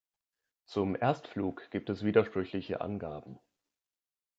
Zum Erstflug gibt es widersprüchliche Angaben.